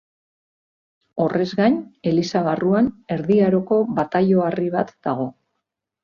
Horrez gain, eliza barruan Erdi Aroko bataio-harri bat dago.